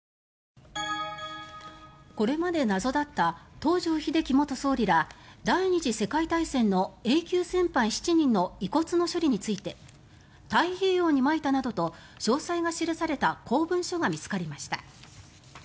これまで謎だった東條英機元総理ら第２次世界大戦のＡ級戦犯７人の遺骨の処理について太平洋にまいたなどと詳細が記された公文書が見つかりました。